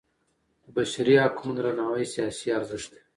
د بشري حقونو درناوی سیاسي ارزښت دی